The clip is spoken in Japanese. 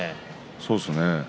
そうですね。